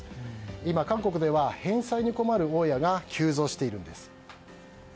今、韓国では返済に困る大家が急増しているんです。